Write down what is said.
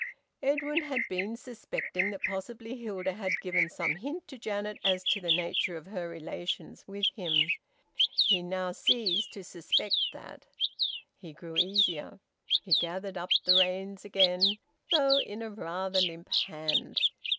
Edwin had been suspecting that possibly Hilda had given some hint to Janet as to the nature of her relations with him. He now ceased to suspect that. He grew easier. He gathered up the reins again, though in a rather limp hand.